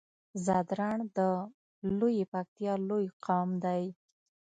ځدراڼ د لويې پکتيا لوی قوم دی